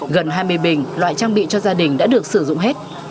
gần hai mươi bình loại trang bị cho gia đình đã được sử dụng hết